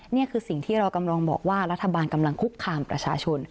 นี่คือสิ่งที่เรากำลังบอกว่ารัฐบาลกำลังคุกคามประชาชน